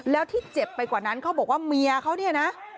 แล้วที่เจ็บไปกว่านั้นเขาบอกว่าเมียเขาเนี่ยนะ